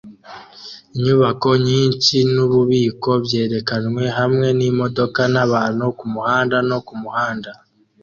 Inyubako nyinshi nububiko byerekanwe hamwe nimodoka nabantu kumuhanda no kumuhanda